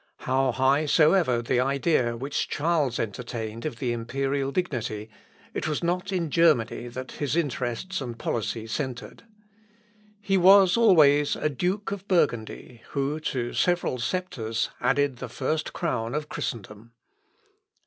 How high soever the idea which Charles entertained of the imperial dignity, it was not in Germany that his interests and policy centred. He was always a Duke of Burgundy, who, to several sceptres, added the first crown of Christendom.